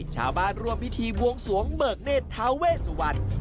ชาวบ้านร่วมพิธีบวงสวงเบิกเนธทาเวสุวรรณ